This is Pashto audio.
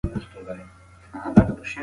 د پښتو ادب ځلانده ستوري به تل ځلېدونکي وي.